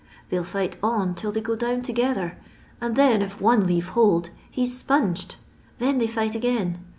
They'll fight on till they go down together, and then if one leave hold, he 's sponged. Thrn they fight ngain.